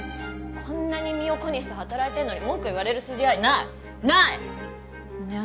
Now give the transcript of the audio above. こんなに身を粉にして働いてるのに文句言われる筋合いないないねえ